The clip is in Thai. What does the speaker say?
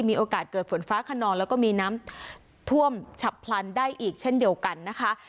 มีโอกาสเกิดฝนฟ้าขนองแล้วก็มีน้ำท่วมฉับพลันได้อีกเช่นเดียวกันนะคะ